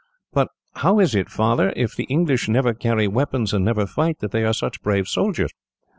"But how is it, Father, if the English never carry weapons, and never fight, that they are such brave soldiers?